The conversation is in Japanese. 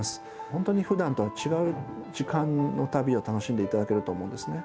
本当にふだんとは違う時間の旅を楽しんで頂けると思うんですね。